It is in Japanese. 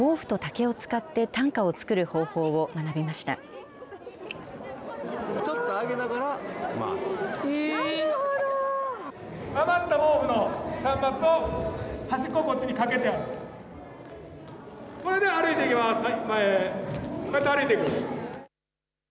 ちょっと上げながら回す。